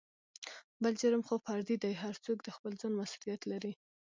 بل جرم خو فردي دى هر څوک دخپل ځان مسولېت لري.